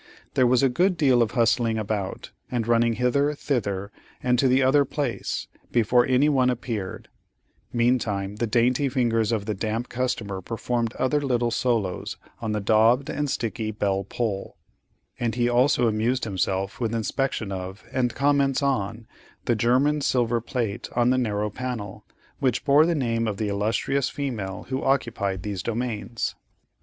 There was a good deal of hustling about, and running hither, thither, and to the other place, before any one appeared; meantime, the dainty fingers of the damp customer performed other little solos on the daubed and sticky bell pull,—and he also amused himself with inspection of, and comments on, the German silver plate on the narrow panel, which bore the name of the illustrious female who occupied these domains.